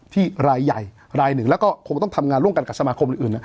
รายใหญ่รายหนึ่งแล้วก็คงต้องทำงานร่วมกันกับสมาคมอื่น